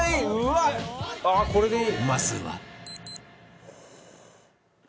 まずは